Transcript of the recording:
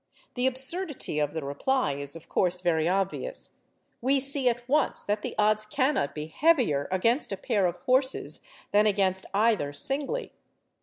The absurdity of the reply is, of course, very obvious; we see at once that the odds cannot be heavier against a pair of horses than against either singly.